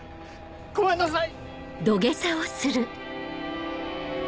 ごめんなさい！